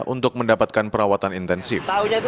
untuk mendapatkan perawatan intensif